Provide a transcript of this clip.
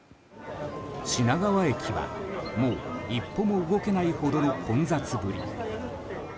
品川駅は、もう一歩も動けないほどの混雑ぶり。